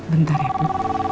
bentar ya bu